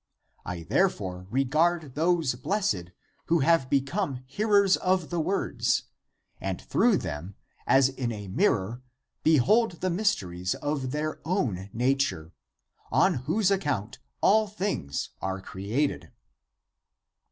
I therefore regard those blessed who have become hearers of the words and through them as in a mir ror behold the mysteries of their own nature, on whose account all things are created.